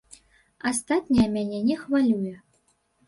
Астатняе мяне не хвалюе.